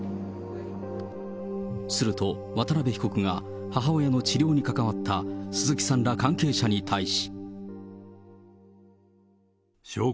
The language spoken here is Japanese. すると、渡辺被告が、母親の治療に関わった鈴木さんら関係者に対し。